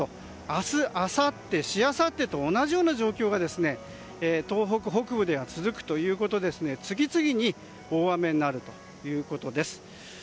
明日、あさってしあさってと同じような状況が東北北部では続くということですので次々に大雨になるということです。